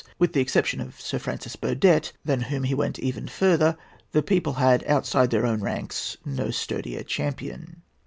With the exception of Sir Francis Burdett, than whom he even went further, the people had, outside their own ranks, no sturdier champion.